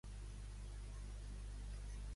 Qui és realment el Hassan?